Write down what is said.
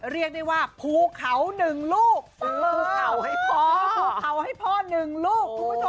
เรียกได้ว่าภูเขานึงลูก